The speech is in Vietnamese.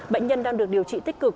bệnh nhân đang được điều trị tích cực